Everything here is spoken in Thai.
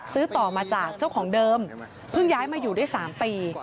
ซื้อต่อมาจากเจ้าของเดิมเพิ่งย้ายมาอยู่ได้๓ปี